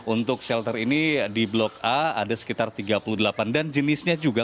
untuk shelter ini di blok a ada sekitar tiga puluh delapan dan jenisnya juga